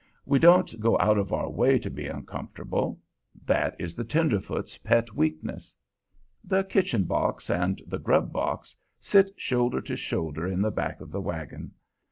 We don't go out of our way to be uncomfortable; that is the tenderfoot's pet weakness. The "kitchen box" and the "grub box" sit shoulder to shoulder in the back of the wagon.